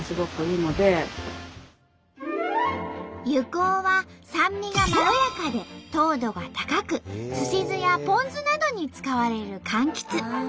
柚香は酸味がまろやかで糖度が高く寿司酢やポン酢などに使われるかんきつ。